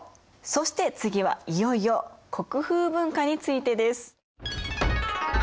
そして次はいよいよ国風文化についてです。